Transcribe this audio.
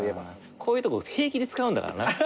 こういうとこ平気で使うんだからな。